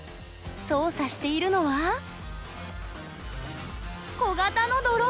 操作しているのは小型のドローン！